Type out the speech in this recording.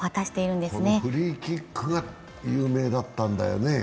このフリーキックが有名だったんだよね。